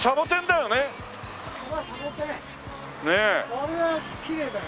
これはきれいだよ。